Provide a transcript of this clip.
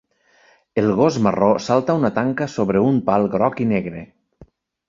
El gos marró salta una tanca sobre un pal groc i negre.